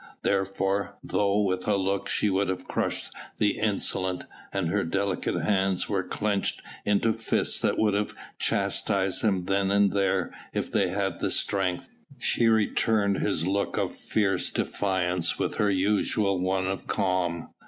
Therefore, though with a look she would have crushed the insolent, and her delicate hands were clenched into fists that would have chastised him then and there if they had the strength, she returned his look of fierce defiance with her usual one of calm.